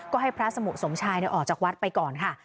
ก็ให้พระสมุสมชายออกจากวัดไปก่อนค่ะ